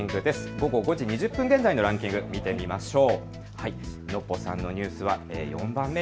午後５時２０分現在のランキング見てみましょう。